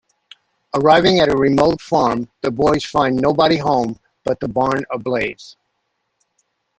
Arriving at the remote farm, the boys find nobody home but the barn ablaze.